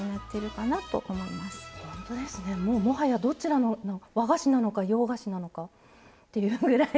もうもはやどちらの和菓子なのか洋菓子なのかっていうぐらい。